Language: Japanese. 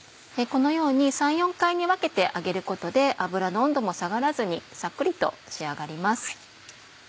このように３４回に分けて揚げることで油の温度も下がらずにさっくりと仕上がります。